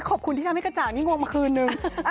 ขอบคุณที่ทำให้กระจ่างนี่งงมาคืนนึง